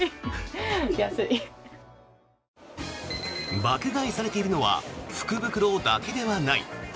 爆買いされているのは福袋だけではない。